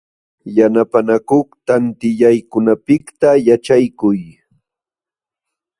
Kushurukaqshi alli allin mikuy akapakunapaq chakwaśhkunapaq.